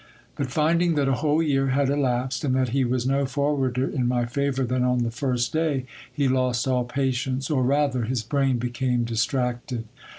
But, finding that a whole year had elapsed, and that he was no forwarder in my favour than on the first day, he lost all patience, or rather, his brain became distracted.